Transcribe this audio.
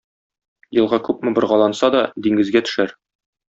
Елга күпме боргаланса да, диңгезгә төшәр.